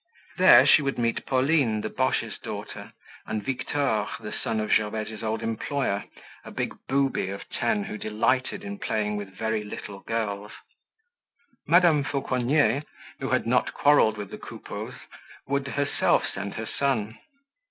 There she would meet Pauline, the Boches' daughter, and Victor, the son of Gervaise's old employer—a big booby of ten who delighted in playing with very little girls. Madame Fauconnier who had not quarreled with the Coupeaus would herself send her son.